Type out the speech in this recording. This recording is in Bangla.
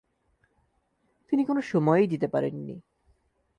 তিনি কোন সময়ই দিতে পারেননি।